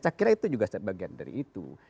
saya kira itu juga bagian dari itu